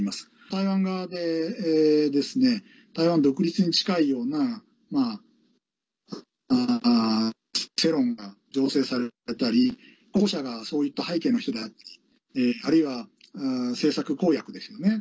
台湾側で台湾独立に近いような世論が醸成されたり、候補者がそういった背景の人であったりあるいは政策公約ですよね。